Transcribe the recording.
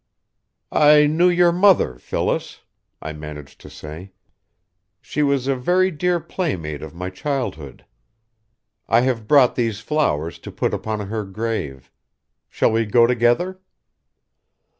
"I knew your mother, Phyllis," I managed to say. "She was a very dear playmate of my childhood. I have brought these flowers to put upon her grave. Shall we go together?"